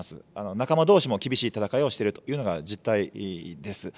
仲間どうしも厳しい戦いをしているというのが実態です。